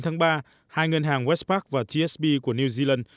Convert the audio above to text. trong ngày một mươi chín tháng ba hai ngân hàng westpac và tsb của new zealand